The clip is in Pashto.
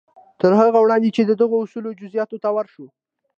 تر هغه وړاندې چې د دغو اصولو جزياتو ته ورشو.